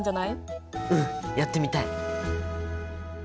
うんやってみたい！